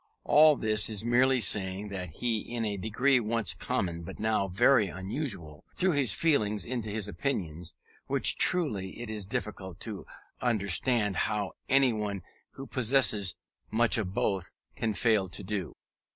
All this is merely saying that he, in a degree once common, but now very unusual, threw his feelings into his opinions; which truly it is difficult to understand how anyone who possesses much of both, can fail to do.